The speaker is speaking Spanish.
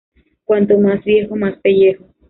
Cuanto más viejo, más pellejo